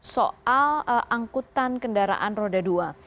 soal angkutan kendaraan roda dua